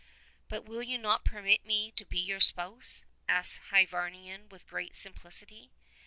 "But will you not permit me to be your spouse?" asked Hyvarnion with great simplicity.